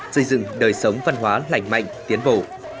xây dựng đời sống văn hóa lạnh mạnh tiến bổ